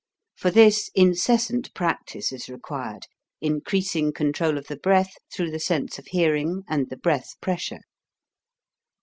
For this incessant practice is required, increasing control of the breath through the sense of hearing and the breath pressure.